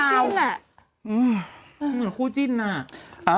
เหมือนคู่จิ้นน่ะ